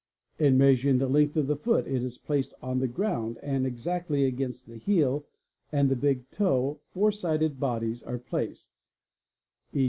In measuring the length of the foot it is placed on the ground and — exactly against the heel and the big toe four sided bodies are placed, e.